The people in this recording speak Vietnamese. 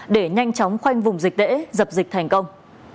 để nhanh chóng khoanh vùng dịch tễ dập dịch thành công